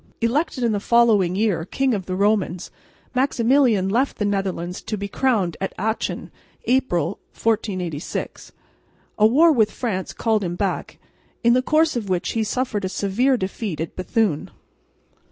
Elected in the following year King of the Romans, Maximilian left the Netherlands to be crowned at Aachen (April, 1486). A war with France called him back, in the course of which he suffered a severe defeat at Bethune.